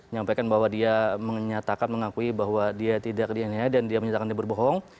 nyampaikan bahwa dia menyatakan mengakui bahwa dia tidak dianiaya dan dia menyatakan dia berbohong